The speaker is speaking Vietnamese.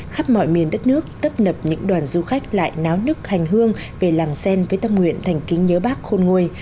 khắp mọi miền đất nước tấp nập những đoàn du khách lại náo nước hành hương về làng xen với tâm nguyện thành kính nhớ bác khôn ngôi